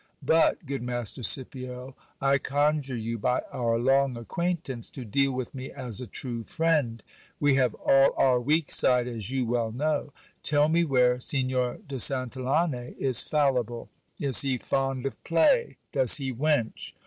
But, good master Scipio, I conjure you by our long acquaintance to deal with me as a true friend. We have all our weak side, as you' well know. Tell me where Signor de Santillane is fallible. Is he fond of play? does he wench